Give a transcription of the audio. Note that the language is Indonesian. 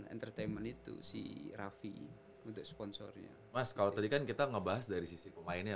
entertainment itu si rafi untuk sponsornya mas kalau tadi kan kita ngebahas dari sisi pemainnya